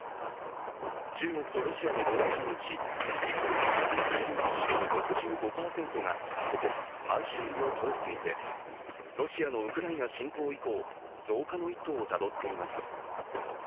中国とロシアの貿易のうち陸路で輸送される物資の６５％がここ、満州里を通っていてロシアのウクライナ侵攻以降増加の一途をたどっています。